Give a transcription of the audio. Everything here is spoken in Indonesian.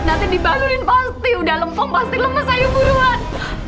nanti dibalurin pasti udah lempung pasti lemes sayur buruan